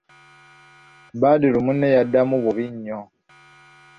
Badru munne yamuddamu bubi nnyo.